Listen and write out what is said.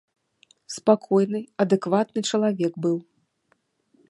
Спакойны, адэкватны чалавек быў.